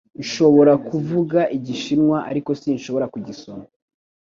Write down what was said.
Nshobora kuvuga Igishinwa ariko sinshobora kugisoma